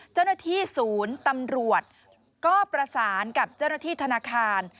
เจ้าหน้าที่ศูนย์ตำรวจก็ประสานกับเจ้าหน้าที่ธนาคาร